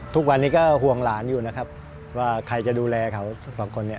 ทุกวันนี้ก็ห่วงหลานอยู่นะครับว่าใครจะดูแลเขาสองคนเนี่ย